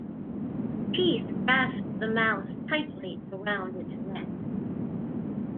Teeth grasp the mouse tightly around its neck.